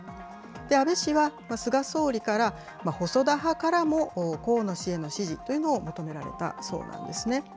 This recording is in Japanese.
安倍氏は菅総理から細田派からも河野氏への支持というのを求められたそうなんですね。